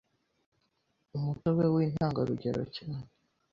umutobe w’intangarugero cyane